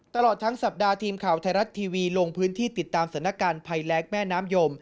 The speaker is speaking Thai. ตลอดทั้งสัปดาห์ทีมข่าวไทยรัฐทีวีลงพื้นที่ติดตามสถานการณ์ภัยแรงแม่น้ำยม